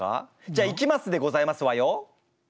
じゃあいきますでございますわよ！